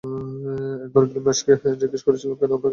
একবার গিলগামেশকে জিগ্যেস করেছিলাম কেন আমাকে রক্ষা করতে বেছে নিয়েছে।